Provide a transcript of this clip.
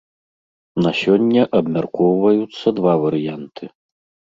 На сёння абмяркоўваюцца два варыянты.